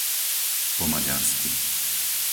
Po maďarsky